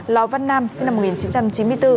lò văn nam sinh năm một nghìn chín trăm chín mươi bốn